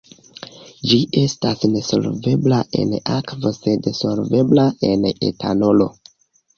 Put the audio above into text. Ĝi estas nesolvebla en akvo sed solvebla en etanolo.